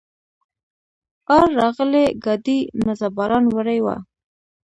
آر راغلي ګاډي مزه باران وړې وه.